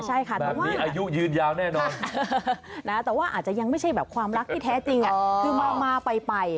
อาวิตเตอร์ลายนายนยังไม่ใช่แบบความรักที่แท้จริงมาลไป